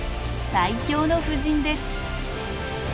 最強の布陣です。